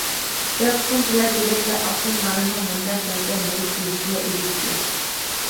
بىر قىسىم تۈرلەر دۆلەت ۋە ئاپتونوم رايوننىڭ مەبلەغ جەھەتتە مەدەت بېرىشىگە ئېرىشتى.